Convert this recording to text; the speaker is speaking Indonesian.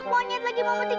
kemudian lagu menyutui